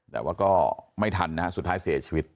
แต่ว่าก็ไม่ทันนะฮะสุดท้ายเสียชีวิต